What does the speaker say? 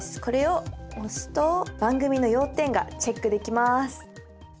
これを押すと番組の要点がチェックできます！